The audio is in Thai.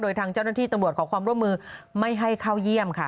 โดยทางเจ้าหน้าที่ตำรวจขอความร่วมมือไม่ให้เข้าเยี่ยมค่ะ